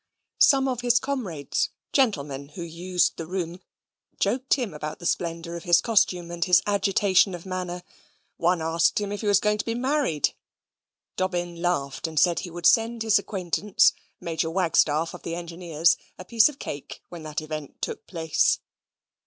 Some of his comrades, gentlemen who used the room, joked him about the splendour of his costume and his agitation of manner. One asked him if he was going to be married? Dobbin laughed, and said he would send his acquaintance (Major Wagstaff of the Engineers) a piece of cake when that event took place.